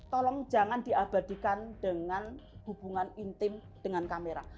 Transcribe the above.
tolong jangan diabadikan dengan hubungan intim dengan kamera